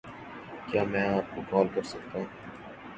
کیا میں آپ کو کال کر سکتا ہوں